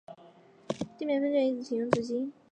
地面喷泉一直停用至今。